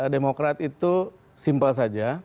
demokrat itu simpel saja